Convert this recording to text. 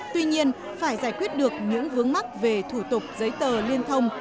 tuy nhiên phải giải quyết được những vướng mắc về thủ tục giấy tờ liên thông